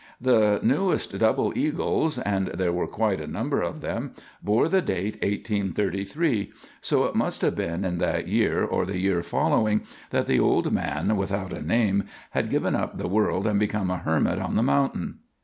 The newest double eagles and there were quite a number of them bore the date 1833, so it must have been in that year or the year following that the old man without a name had given up the world and become a hermit on the mountain.